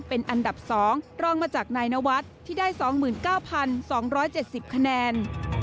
เป็นอันดับ๒รองมาจากนายนวัฒน์ที่ได้๒๙๒๗๐คะแนน